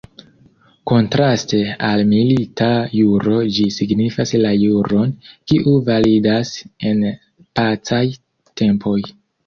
Kontraste al "milita juro" ĝi signifas la juron, kiu validas en pacaj tempoj.